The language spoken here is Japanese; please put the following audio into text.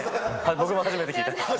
僕も初めて聞いた。